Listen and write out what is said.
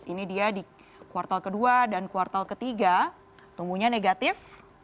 ini dia di kuartal kedua dan kuartal ketiga tumbuhnya negatif